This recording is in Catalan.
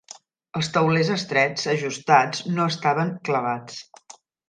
Els taulers estrets ajustats no estaven clavats.